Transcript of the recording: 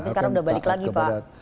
tapi sekarang udah balik lagi pak